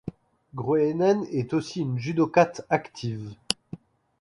Groenen est aussi une judokate active.